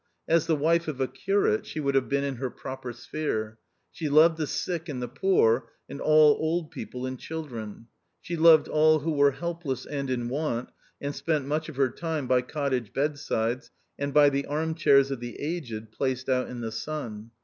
As the wife of a curate she would have been in her proper sphere. She loved the sick and the poor, and all old people and children. She loved all who were helpless and in want, and spent much of her time by cottage bedsides, and by the arm chairs of the aged placed out in the sun.